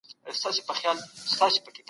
تاسو د ښه راتلونکي هيله لرله.